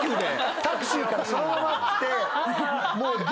タクシーからそのまま来て。